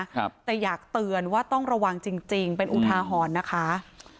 ครับแต่อยากเตือนว่าต้องระวังจริงจริงเป็นอุทาหรณ์นะคะ